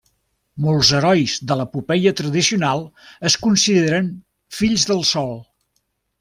Molts herois de l'epopeia tradicional es consideren fills del Sol.